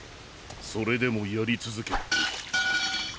それでもやり続け。